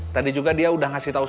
tadi juga dia udah ngasih tau